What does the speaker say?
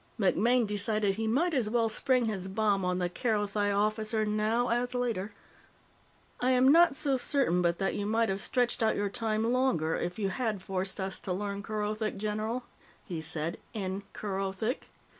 MacMaine decided he might as well spring his bomb on the Kerothi officer now as later. "I am not so certain but that you might have stretched out your time longer if you had forced us to learn Kerothic, general," he said in Kerothic.